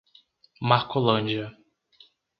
Marcolândia